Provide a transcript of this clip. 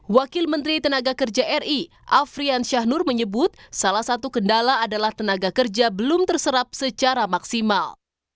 wakil menteri tenaga kerja ri afrian syahnur menyebut salah satu kendala adalah tenaga kerja belum terserap secara maksimal